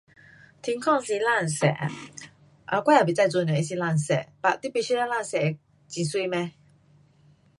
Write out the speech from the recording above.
天空是蓝色啊，um 我也不知做什么它是蓝色 but 你不觉得蓝色的很美嚒？